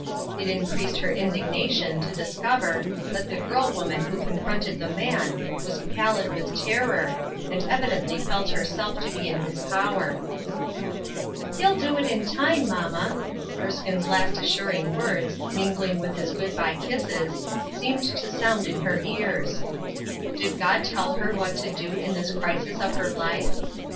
It increased her indignation to dis cover that the girl woman who confronted the 3 l8 UNDER GUIDANCE. man was pallid with terror, and evidently felt herself to be in his power. " He'll do it in time, mamma! " Erskine's last assuring words, mingling with his good by kisses, seemed to sound in her ears. Did God tell her what to do in this crisis of her life